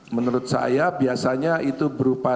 menurut saya biasanya itu berupa